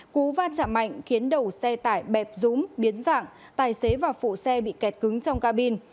cú va chạm mạnh khiến đầu xe tải bẹp rúm biến dạng tài xế và phụ xe bị kẹt cứng trong cabin